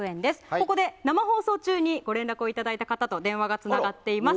ここで、生放送中にご連絡いただいた方と電話がつながっています。